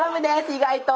意外と。